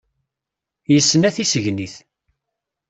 Yesna tisegnit